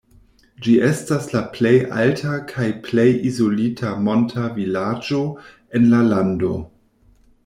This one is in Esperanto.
Ĝi estas la plej alta kaj plej izolita monta vilaĝo en la lando.